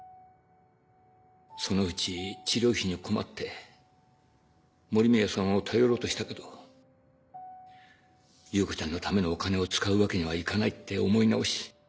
そのうち治療費に困って森宮さんを頼ろうとしたけど優子ちゃんのためのお金を使うわけにはいかないって思い直し